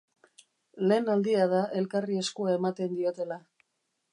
Lehen aldia da elkarri eskua ematen diotela.